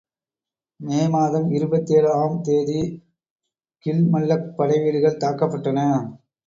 மே மாதம் இருபத்தேழு ஆம் தேதி கில்மல்லக் படை வீடுகள் தாக்கப்பட்டன.